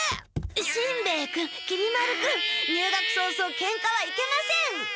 しんべヱ君きり丸君入学早々ケンカはいけません。